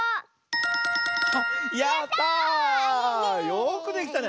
よくできたね。